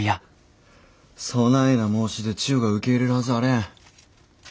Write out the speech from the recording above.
そないな申し出千代が受け入れるはずあれへん。